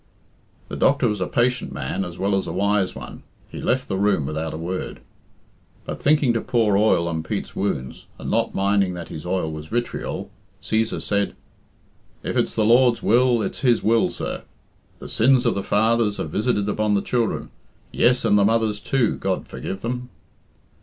The doctor was a patient man as well as a wise one he left the room without a word. But, thinking to pour oil on Pete's wounds, and not minding that his oil was vitriol, Cæsar said "If it's the Lord's will, it's His will, sir. The sins of the fathers are visited upon the children yes, and the mothers, too, God forgive them."